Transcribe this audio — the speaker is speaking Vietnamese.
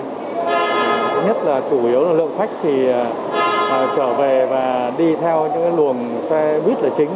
thứ nhất là chủ yếu là lượng khách thì trở về và đi theo những luồng xe buýt là chính